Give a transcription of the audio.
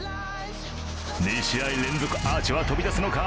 ２試合連続アーチは飛び出すのか？